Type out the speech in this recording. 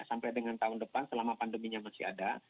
sampai dengan tahun depan selama pandeminya masih ada